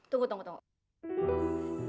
tunggu tunggu tunggu